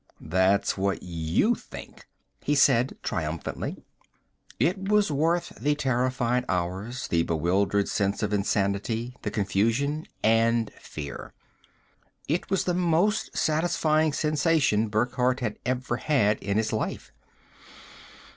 "That's what you think," he said triumphantly. It was worth the terrified hours, the bewildered sense of insanity, the confusion and fear. It was the most satisfying sensation Burckhardt had ever had in his life.